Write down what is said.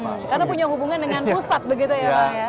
karena punya hubungan dengan pusat begitu ya pak ya